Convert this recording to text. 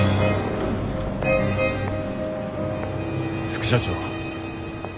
副社長。